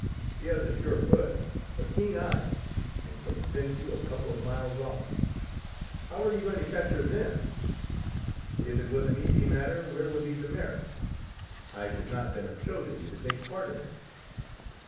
She has a sure foot, a keen eye, and can scent you a couple of miles off. How are you going to catch her, then?" "If it was an easy matter where would be the merit? I should not then have chosen you to take a part in it."